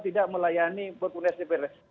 tidak melayani berpunyai dpr ri